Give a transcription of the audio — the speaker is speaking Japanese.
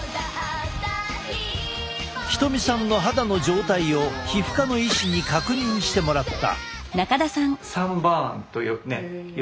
瞳さんの肌の状態を皮膚科の医師に確認してもらった。